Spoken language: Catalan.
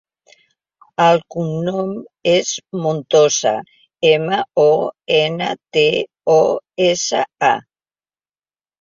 El cognom és Montosa: ema, o, ena, te, o, essa, a.